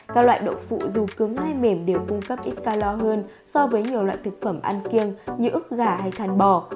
các loại đậu phụ dù cứng hay mềm đều cung cấp ít calor hơn so với nhiều loại thực phẩm ăn kiêng như ức gà hay thàn bò